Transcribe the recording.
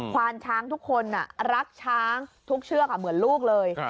ควานช้างทุกคนรักช้างทุกเชือกเหมือนลูกเลย